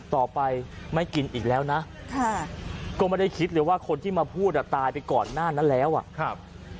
ต่อไปไม่กินอีกแล้วนะค่ะก็ไม่ได้คิดเลยว่าคนที่มาพูดอ่ะตายไปก่อนหน้านั้นแล้วอ่ะครับ